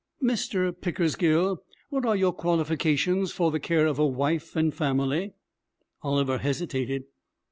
'Mr. Pickersgill, what are your qualifications for the care of a wife and family?' Oliver hesitated.